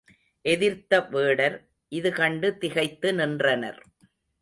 எதிர்த்த வேடர், இது கண்டு திகைத்து நின்றனர்.